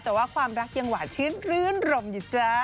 แต่ว่าความรักยังหวานชื่นรื่นรมอยู่จ้า